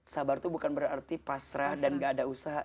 sabar itu bukan berarti pasrah dan gak ada usaha